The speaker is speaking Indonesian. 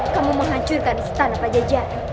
kamu menghancurkan setan apa jajan